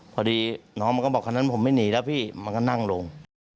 พอดีน้องมันก็บอกคันนั้นผมไม่หนีแล้วพี่มันก็นั่งลง